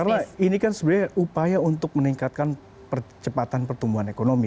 karena ini kan sebenarnya upaya untuk meningkatkan percepatan pertumbuhan ekonomi